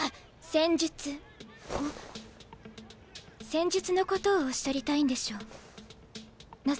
戦術のことをおっしゃりたいんでしょう望